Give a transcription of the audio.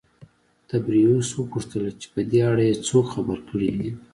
تبریوس وپوښتل چې په دې اړه یې څوک خبر کړي دي